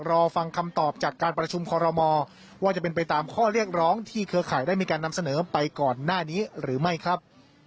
รอฟังคำตอบจากการประชุมคอรมอว่าจะเป็นไปตามข้อเรียกร้องที่เครือข่ายได้มีการนำเสนอไปก่อนหน้านี้หรือไม่ครับ